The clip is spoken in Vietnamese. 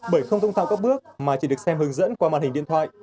bởi không thông tạo các bước mà chỉ được xem hướng dẫn qua màn hình điện thoại